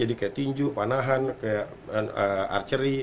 jadi kayak tinju panahan archery